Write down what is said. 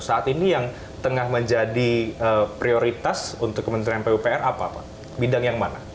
saat ini yang tengah menjadi prioritas untuk kementerian pupr apa pak bidang yang mana